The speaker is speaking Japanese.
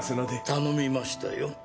頼みましたよ